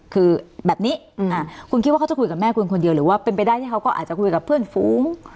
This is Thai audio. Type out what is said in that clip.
คือแบบนี้คุณคิดว่าเขาจะคุยกับแม่คุณคนเดียวหรือว่าเป็นไปได้ที่เขาก็อาจจะคุยกับเพื่อนฝูง